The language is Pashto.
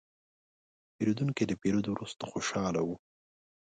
پیرودونکی د پیرود وروسته خوشاله و.